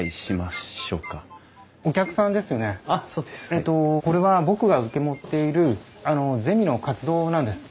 えっとこれは僕が受け持っているゼミの活動なんです。